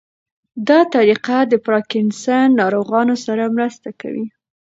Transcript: دا طریقه د پارکینسن ناروغانو سره مرسته کوي.